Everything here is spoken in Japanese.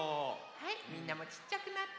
はいみんなもちっちゃくなって。